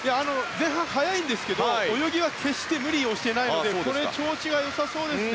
前半、速いんですけど決して無理はしてないのでこれは調子が良さそうですね。